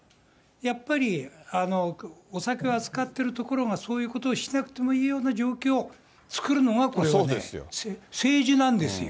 やっぱりお酒を扱ってるところがそういうことをしなくてもいいような状況を作るのが政治なんですよ。